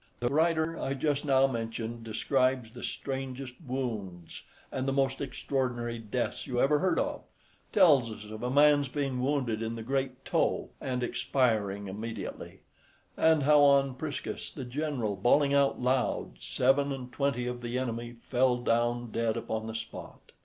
The writer I just now mentioned describes the strangest wounds, and the most extraordinary deaths you ever heard of; tells us of a man's being wounded in the great toe, and expiring immediately; and how on Priscus, the general, bawling out loud, seven and twenty of the enemy fell down dead upon the spot.